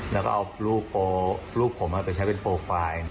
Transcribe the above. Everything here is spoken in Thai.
แล้วก็เอารูปผมไปใช้เป็นโปรไฟล์